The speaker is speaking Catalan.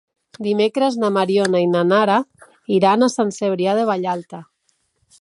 Dimecres na Mariona i na Nara iran a Sant Cebrià de Vallalta.